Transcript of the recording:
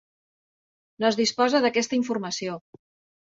No es disposa d'aquesta informació.